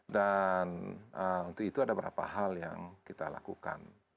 dan untuk itu ada beberapa hal yang kita lakukan